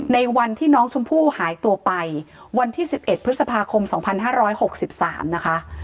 ในวันที่น้องชมพู่หายตัวไปวันที่๑๑พฤษภาคม๒๕๖๓นะคะ